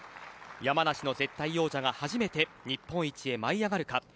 山梨の絶対王者が初めて日本一へ舞い上がるか。